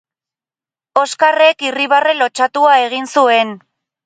Oskarrek irribarre lotsatua egin zuen.